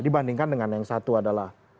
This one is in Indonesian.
dibandingkan dengan yang satu adalah